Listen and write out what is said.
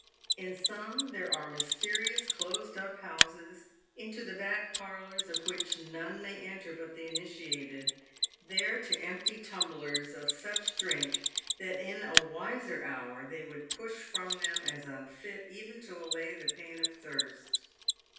In some there are mysterious, closed up houses, into the back parlours of which none may enter but the initiated, there to empty tumblers of such drink that in a wiser hour they would push from them as unfit even to allay the pain of thirst.